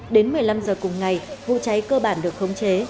đến một mươi năm h cùng ngày vụ cháy cơ bản được khống chế